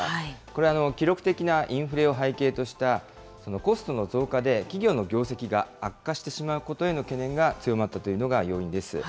これは記録的なインフレを背景としたそのコストの増加で、企業の業績が悪化してしまうことへの懸念が強まったというのが要因です。